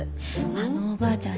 あのおばあちゃん